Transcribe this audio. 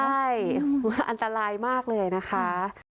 ใช่อันตรายมากเลยนะคะ